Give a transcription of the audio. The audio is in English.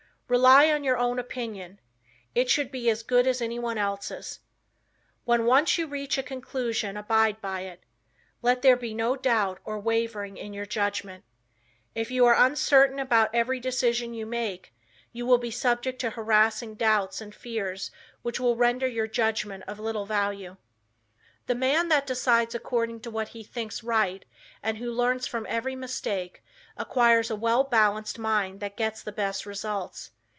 Rely on your own opinion. It should be as good as anyone's else. When once you reach a conclusion abide by it. Let there be no doubt, or wavering in your judgment. If you are uncertain about every decision you make, you will be subject to harassing doubts and fears which will render your judgment of little value. The man that decides according to what he thinks right and who learns from every mistake acquires a well balanced mind that gets the best results.